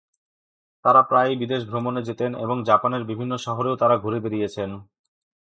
তাঁরা প্রায়ই বিদেশ ভ্রমণে যেতেন এবং জাপানের বিভিন্ন শহরও তাঁরা ঘুরে বেড়িয়েছেন।